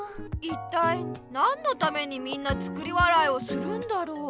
一体何のためにみんな作り笑いをするんだろう？